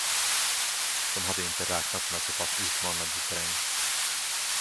De hade inte räknat med såpass utmanande terräng.